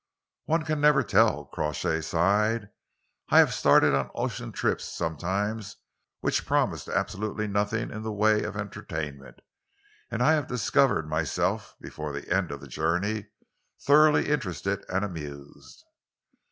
"One can never tell," Crawshay sighed. "I have started on ocean trips sometimes which promised absolutely nothing in the way of entertainment, and I have discovered myself, before the end of the journey, thoroughly interested and amused."